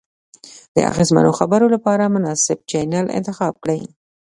د اغیزمنو خبرو لپاره مناسب چینل انتخاب کړئ.